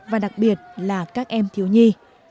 và đặc biệt là các em thiếu nhi